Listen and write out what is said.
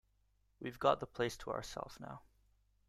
We've got the place to ourself now.